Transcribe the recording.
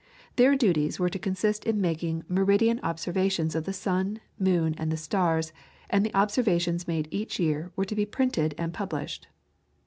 Their duties were to consist in making meridian observations of the sun, moon, and the stars, and the observations made each year were to be printed and published.